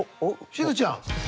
しずちゃん！